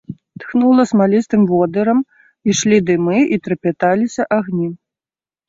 Тхнула смалістым водырам, ішлі дымы, і трапяталіся агні.